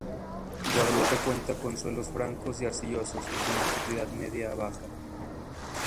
Guadalupe cuenta con suelos francos y arcillosos y con una fertilidad media a baja.